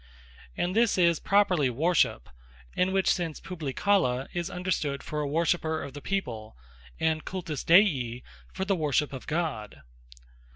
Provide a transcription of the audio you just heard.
And this is properly Worship: in which sense Publicola, is understood for a Worshipper of the People, and Cultus Dei, for the Worship of God.